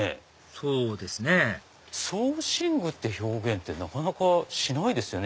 そうですね装身具って表現なかなかしないですよね。